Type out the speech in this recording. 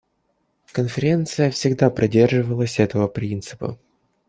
Конференция всегда придерживалась этого принципа.